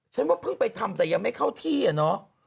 ฉันว่าเพิ่งไปทำแต่ยังไม่เข้าที่อะเนาะ